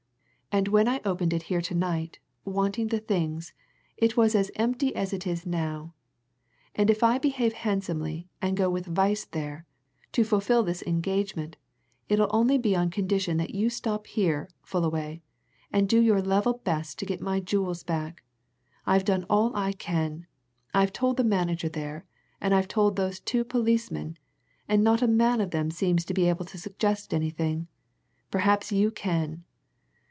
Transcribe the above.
And when I opened it here to night, wanting the things, it was as empty as it is now. And if I behave handsomely, and go with Weiss there, to fulfil this engagement, it'll only be on condition that you stop here, Fullaway, and do your level best to get me my jewels back. I've done all I can I've told the manager there, and I've told those two policemen, and not a man of them seems able to suggest anything! Perhaps you can."